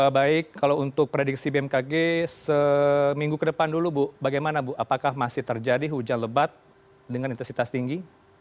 baik kalau untuk prediksi bmkg seminggu ke depan dulu bu bagaimana bu apakah masih terjadi hujan lebat dengan intensitas tinggi